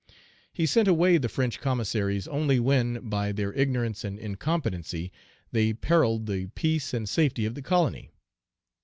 He sent away the French commissaries only when, by their ignorance and incompetency, they perilled the peace and safety of the colony.